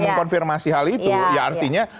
mengkonfirmasi hal itu ya artinya